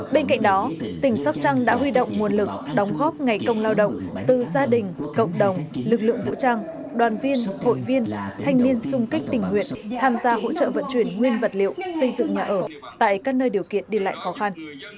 bên cạnh đó tỉnh sóc trăng đã huy động nguồn lực đóng góp ngày công lao động từ gia đình cộng đồng lực lượng vũ trang đoàn viên hội viên thanh niên sung kích tình nguyện tham gia hỗ trợ vận chuyển nguyên vật liệu xây dựng nhà ở tại các nơi điều kiện đi lại khó khăn